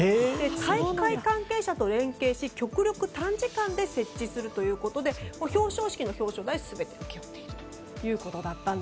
大会関係者と連携し極力、短時間で設置するということで表彰式の表彰台は全て請け負っているということでした。